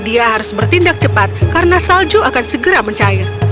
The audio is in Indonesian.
dia harus bertindak cepat karena salju akan segera mencair